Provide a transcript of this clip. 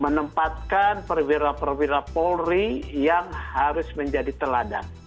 menempatkan perwira perwira polri yang harus menjadi teladan